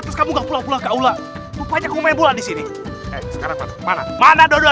sampai jumpa di video selanjutnya